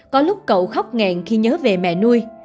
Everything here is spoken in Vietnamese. có lúc cậu khóc ngàn khi nhớ về mẹ nuôi